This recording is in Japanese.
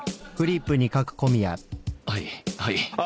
はいはい。